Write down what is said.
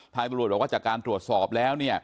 ทายบริโรธบอกว่าจากการตรวจสอบแล้ว